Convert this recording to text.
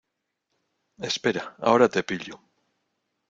espera, ahora te pillo.